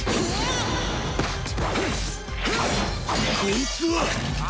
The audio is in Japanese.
こいつは！